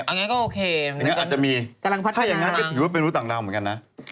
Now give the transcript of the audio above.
อันนี้ก็อาจจะมีถ้าอย่างงั้นก็ถือว่าเป็นมนุษย์ต่างดาวเหมือนกันนะ